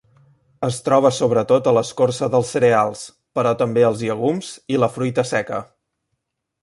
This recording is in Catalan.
Es troba sobretot a l'escorça dels cereals, però també als llegums i la fruita seca.